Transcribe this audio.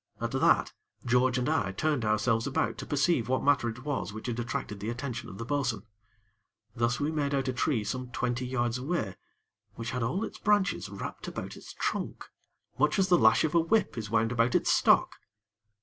At that, George and I turned ourselves about to perceive what matter it was which had attracted the attention of the bo'sun; thus we made out a tree some twenty yards away, which had all its branches wrapped about its trunk, much as the lash of a whip is wound about its stock.